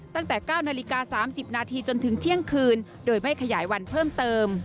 ตั้งแต่๙นาฬิกา๓๐นาทีจนถึงเที่ยงคืนโดยไม่ขยายวันเพิ่มเติม